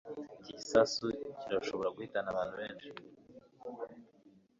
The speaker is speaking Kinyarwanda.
iki gisasu kirashobora guhitana abantu benshi